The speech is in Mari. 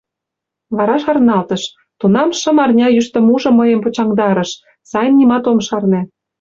Вара шарналтыш: тунам шым арня йӱштымужо мыйым почаҥдарыш, сайын нимат ом шарне.